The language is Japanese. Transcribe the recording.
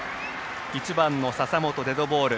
１番の笹本、デッドボール。